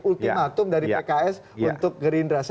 ultimatum dari pks untuk gerindra